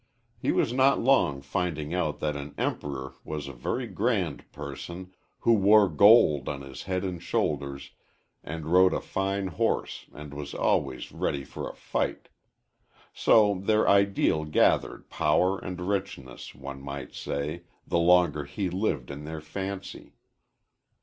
He was not long finding out that an emperor was a very grand person who wore gold on his head and shoulders and rode a fine horse and was always ready for a fight. So their ideal gathered power and richness, one might say, the longer he lived in their fancy.